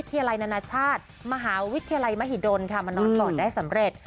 ที่วิทยาลัยนานาชาติมหาวิทยาลัยมหิดลมานอนก่อนได้สำเร็จ